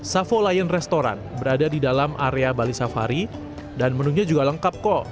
savo lion restoran berada di dalam area bali safari dan menunya juga lengkap kok